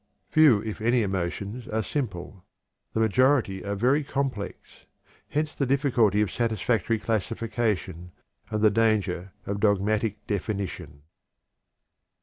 Few, if any, emotions are simple; the majority are very complex. Hence the difficulty of satisfactory classification, and the danger of dogmatic definition.